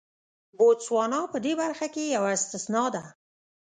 بوتسوانا په دې برخه کې یوه استثنا ده.